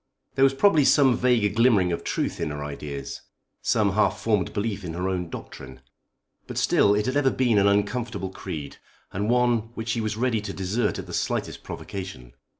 There was probably some vague glimmering of truth in her ideas; some half formed belief in her own doctrine. But still it had ever been an uncomfortable creed, and one which she was ready to desert at the slightest provocation.